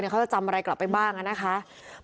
เขาจะจำอะไรกลับไปบ้างนะคะ